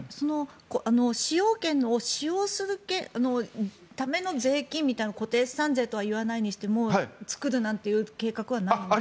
使用権を使用するための税金みたいな固定資産税といわないにしても作るなんて計画はないんですか？